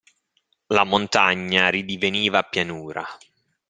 La montagna ridiveniva pianura.